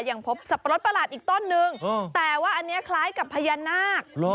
ยังพบสับปะรดประหลาดอีกต้นนึงแต่ว่าอันนี้คล้ายกับพญานาค